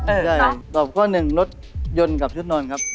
ได้ตอบข้อหนึ่งรถยนต์กับชุดนอนครับ